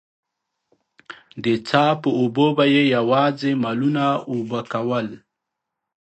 د څاه په اوبو به يې يواځې مالونه اوبه کول.